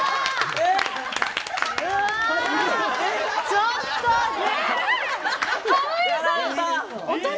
ちょっと！